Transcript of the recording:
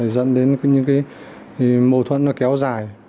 dẫn đến những cái mâu thuẫn nó kéo dài